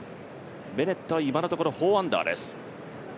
ベネットは今のところ４アンダーです。